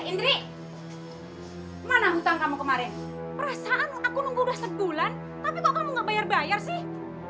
indri mana hutang kamu kemarin perasaan aku nunggu udah sebulan tapi kok kamu gak bayar bayar sih